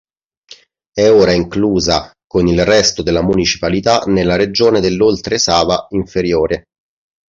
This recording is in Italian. È ora inclusa con il resto della municipalità nella regione dell'Oltresava inferiore.